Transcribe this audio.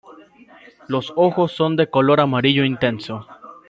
Los ojos son de color amarillo intenso.